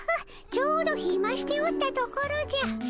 ちょうどひましておったところじゃ。